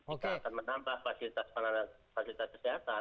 jika akan menambah fasilitas kesehatan itu juga akan menambah tenaga kesehatan